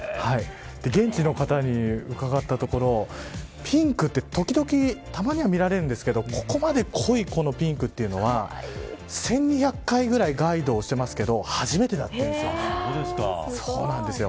現地の方に伺ったところピンクって、時々たまには見られるんですけどここまで濃いピンクというのは１２００回ぐらいガイドをしてますけど初めだということです。